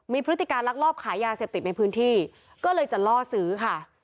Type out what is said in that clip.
มีพฤติการลักลอบขายยาเสพติดในพื้นที่ก็เลยจะล่อซื้อค่ะ